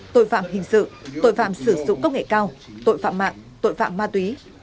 tội phạm hình sự tội phạm sử dụng công nghệ cao tội phạm mạng tội phạm ma túy